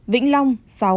vĩnh long sáu